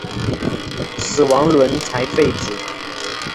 死亡轮才废止。